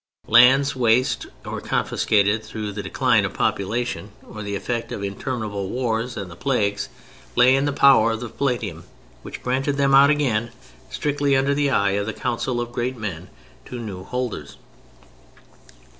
Lands waste or confiscated through the decline of population or the effect of the interminable wars and the plagues, lay in the power of the Palatium, which granted them out again (strictly under the eye of the Council of Great Men) to new holders.